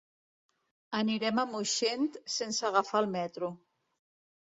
Anirem a Moixent sense agafar el metro.